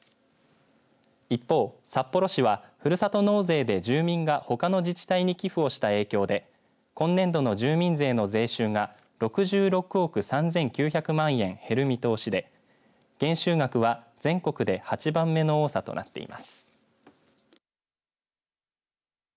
一方、札幌市はふるさと納税で住民がほかの自治体に寄付をした影響で今年度の住民税の税収が６６億３９００万円減る見通しで減収額は全国で８番目の多さとなっています。